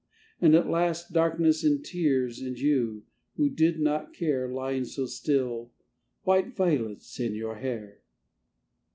And at last Darkness and tears and you, who did not care, Lying so still, white violets in your hair.